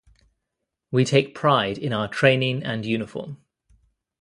We take pride in our training and uniform.